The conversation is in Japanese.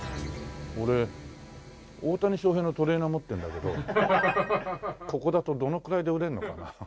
俺大谷翔平のトレーナー持ってるんだけどここだとどのくらいで売れるのかな？